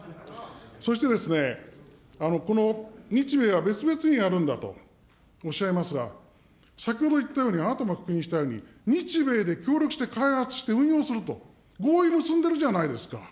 そしてですね、この日米は別々にやるんだとおっしゃいますが、先ほど言ったように、あなたも確認したように、日米で協力して開発して運用すると、合意結んでるじゃないですか。